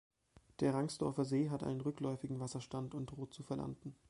Der Rangsdorfer See hat einen rückläufigen Wasserstand und droht zu verlanden.